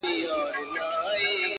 د تروږمۍ د بلا وهم دې وجود خوړلی